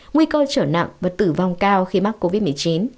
nguy cơ trở nặng và tử vong cao khi mắc covid một mươi chín